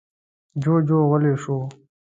جوجو غلی شو.